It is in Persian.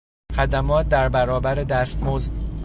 خدمات در برابر دستمزد